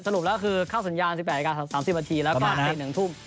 สรุปแล้วคือเข้าสัญญาณ๑๘๓๐แล้วก็เตะ๑ทุ่ม